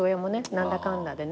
何だかんだでね。